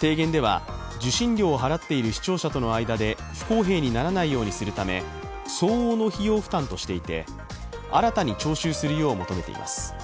提言では、受信料を払っている視聴者との間で不公平にならないようにするため相応の費用負担としていて新たに徴収するよう求めています。